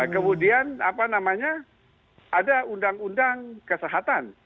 kemudian ada undang undang kesehatan